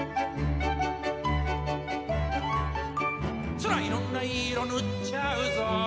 「そらいろんないい色ぬっちゃうぞ」